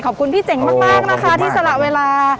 พี่เจ๋งมากนะคะที่สละเวลา